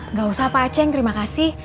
nggak usah pak aceh terima kasih